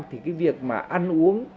thì cái việc mà ăn uống